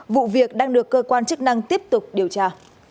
vụ việc đang được cơ quan chức năng tiếp tục điều tra